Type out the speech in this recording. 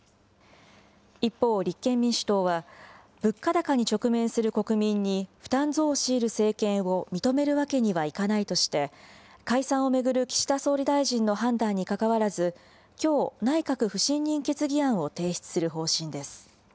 一方、立憲民主党は物価高に直面する国民に負担増を強いる政権を認めるわけにはいかないとして、解散を巡る岸田総理大臣の判断にかかわらず、きょう内閣不信任決議案を提出する方針です。